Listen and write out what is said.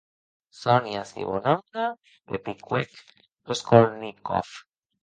Sonia Simonovna, rectifiquèc Raskolnikov.